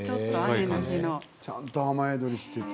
ちゃんと雨宿りしている。